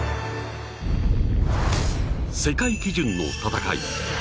世界基準の戦い